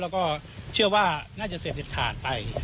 แล้วก็เชื่อว่าน่าจะเสพเด็ดขาดไป